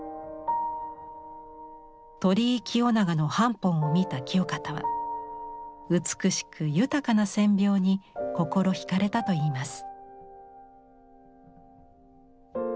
鳥居清長の版本を見た清方は美しく豊かな線描に心惹かれたと言います。